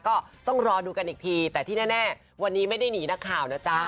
ก็ต้องรอดูกันอีกทีแต่ที่แน่วันนี้ไม่ได้หนีนักข่าวนะจ๊ะ